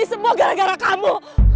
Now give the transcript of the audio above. semua gara gara kamu